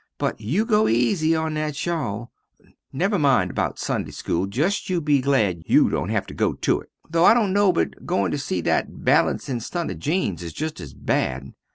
But you go eezy on that shawl. Never you mind about Sunday school, just you be glad you dont have to go to it, though I dont no but goin to see that balancin stunt of Jeans is just as bad.